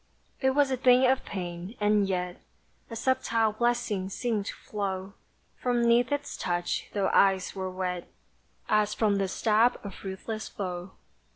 It was a thing of pain, and yet A subtile blessing seemed to flow From 'neath its touch, though eyes were wet As from the stab of ruthless foe!